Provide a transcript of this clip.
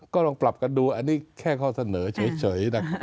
ก็ลองปรับกันดูอันนี้แค่ข้อเสนอเฉยนะครับ